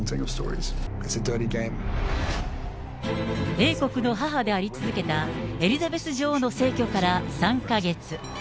英国の母であり続けたエリザベス女王の逝去から３か月。